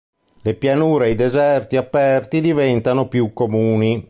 Le pianure ed i deserti aperti diventano più comuni.